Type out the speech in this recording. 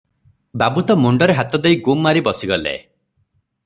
ବାବୁ ତ ମୁଣ୍ଡରେ ହାତ ଦେଇ ଗୁମ୍ ମାରି ବସିଗଲେ ।